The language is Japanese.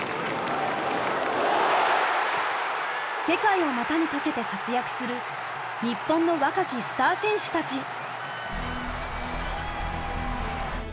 世界を股にかけて活躍する日本の若きスター選手たち。